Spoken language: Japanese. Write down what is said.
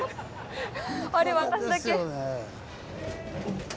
あれ私だけ？